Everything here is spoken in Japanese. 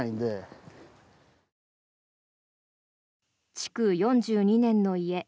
築４２年の家。